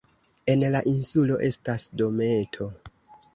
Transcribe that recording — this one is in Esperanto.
En la insulo estas dometo.